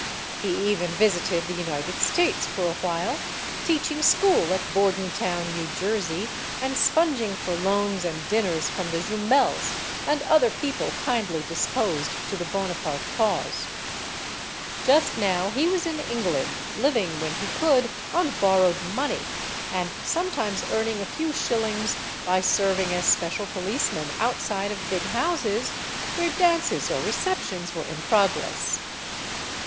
He even visited the United States, for a while, teaching school at Bordentown, New Jersey, and sponging for loans and dinners from the Jumels 224 STORIES OF THE SUPER WOMEN and other people kindly disposed to the Bonaparte cause. Just now he was in England, living, when he could, on borrowed money, and sometimes earning a few shillings by serving as special policeman outside of big houses where dances or receptions were in progress.